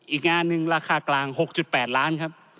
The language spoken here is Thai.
อีกงานหนึ่งราคากลาง๖๘ล้านครับ